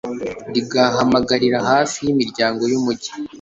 rigahamagarira hafi y'imiryango y'umugi